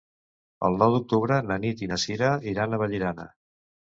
El nou d'octubre na Nit i na Cira iran a Vallirana.